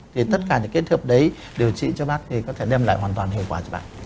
thì tất cả những kết hợp đấy điều trị cho bác thì có thể đem lại hoàn toàn hiệu quả cho bạn